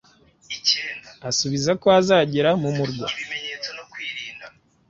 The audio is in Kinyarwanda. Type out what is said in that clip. asubiza ko azagera mu murwa